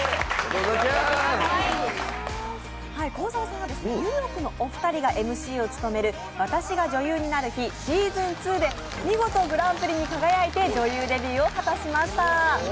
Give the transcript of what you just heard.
幸澤さんはニューヨークのお二人がＭＣを務める『私が女優になる日＿ｓｅａｓｏｎ２』で見事グランプリに輝いて女優デビューを果たしました。